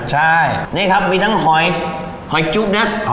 ใช่นี่ครับมีทั้งหอยหอยจุ๊บนะ